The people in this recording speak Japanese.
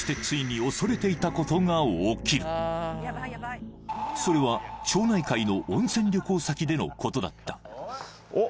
そしてそれは町内会の温泉旅行先でのことだったおっ